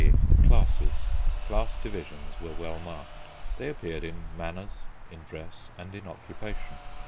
G. CLASSES Class divisions were well marked. They appeared in manners, in dress, and in occupation.